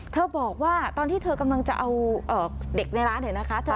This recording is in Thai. เธอบอกว่าตอนที่เธอกำลังจะเอาเอ่อเด็กในร้านเห็นไหมคะ